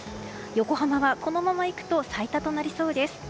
横浜はこのままいくと最多となりそうです。